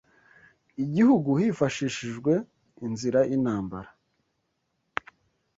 igihugu hifashishijwe inzira y’intambara